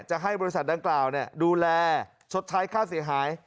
จะให้บริษัทดังกล่าวดูแลชดใช้ค่าเสียหาย